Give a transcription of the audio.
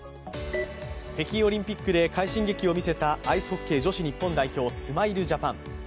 北京オリンピックで快進撃を見せたアイスホッケー女子日本代表、スマイルジャパン。